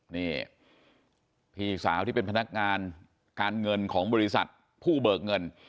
นี่พี่สาวที่เป็นพนักงานการเงินของบริษัทผู้เบิกเงิน